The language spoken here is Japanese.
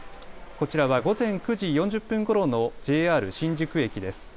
こちらは午前９時４０分ごろのＪＲ新宿駅です。